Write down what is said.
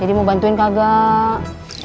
jadi mau bantuin kagak